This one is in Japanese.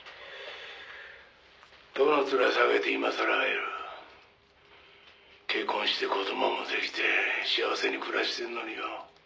「どの面下げて今さら会える」「結婚して子供も出来て幸せに暮らしてるのによ」